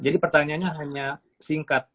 jadi pertanyaannya hanya singkat